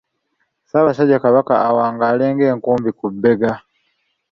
Ssaabasajja Kabaka Awangaale ng'Enkumbi ku bbega.